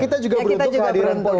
kita juga beruntung kehadiran politik